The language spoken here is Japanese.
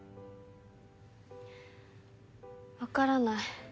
わからない。